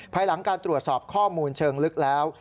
ภายหลังการตรวจสอบข้อมูลเชิงลึกแล้ว